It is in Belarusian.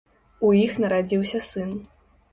У іх нарадзіўся сын.